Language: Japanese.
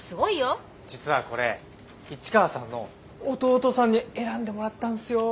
実はこれ市川さんの弟さんに選んでもらったんすよ。